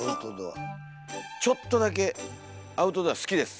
ちょっとだけアウトドア好きです。